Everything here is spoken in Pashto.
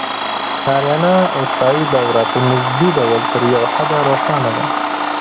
د آریانا اوستایي دوره په نسبي ډول تر یو حده روښانه ده